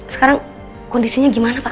sekarang kondisinya gimana pak